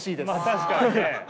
確かにね。